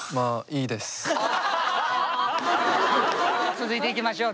続いていきましょう。